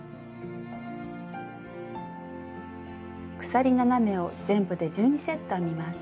鎖７目を全部で１２セット編みます。